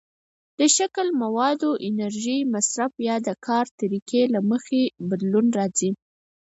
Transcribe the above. د شکل، موادو، د انرژۍ مصرف، یا د کار طریقې له مخې بدلون راځي.